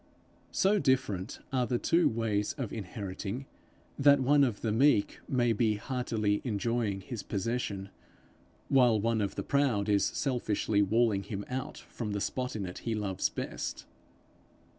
So different are the two ways of inheriting, that one of the meek may be heartily enjoying his possession, while one of the proud is selfishly walling him out from the spot in it he loves best.